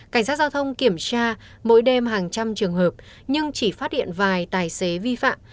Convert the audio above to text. cảnh sát giao thông kiểm tra mỗi đêm hàng trăm trường hợp nhưng chỉ phát hiện vài tài xế vi phạm